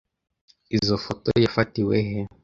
Izoi foto yafatiwe he?